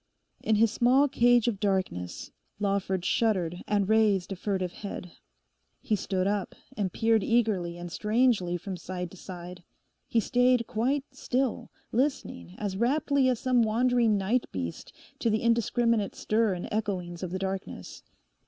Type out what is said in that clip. In his small cage of darkness Lawford shuddered and raised a furtive head. He stood up and peered eagerly and strangely from side to side. He stayed quite still, listening as raptly as some wandering night beast to the indiscriminate stir and echoings of the darkness.